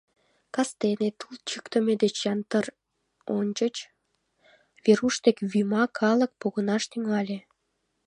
Кастене, тул чӱктымӧ деч ятыр ончыч, Веруш дек вӱма калык погынаш тӱҥале.